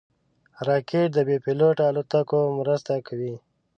راکټ د بېپيلوټه الوتکو مرسته کوي